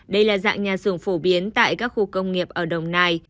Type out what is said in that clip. đây là dạng nhà xưởng phổ biến tại các khu công nghiệp ở đồng nai